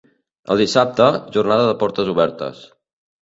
El dissabte, jornada de portes obertes.